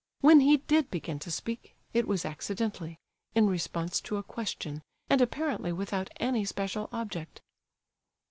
When he did begin to speak, it was accidentally, in response to a question, and apparently without any special object.